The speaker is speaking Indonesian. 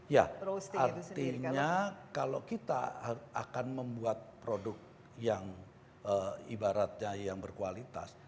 ya artinya kalau kita akan membuat produk yang ibaratnya yang berkualitas